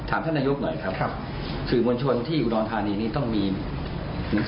ถามเซ้นคร์นายกหน่อยนะครับสื่อมวลชนที่อุดรธานีต้องมีสื่อบางอย่าง